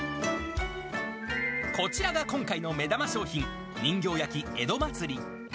こちらが今回の目玉商品、人形焼江戸祭。